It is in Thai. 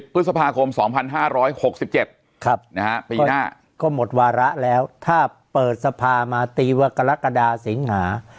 พฤษภาคม๒๕๖๗ปีหน้าก็หมดวาระแล้วถ้าเปิดสภามาตีว่ากรกฎาสิงหา